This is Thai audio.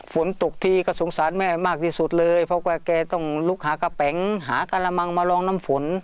ฝนตกทีก็สงสารแม่มากที่สุดเลยเพราะว่าแกต้องลุกหากระแป๋งหากระมังมาลองน้ำฝน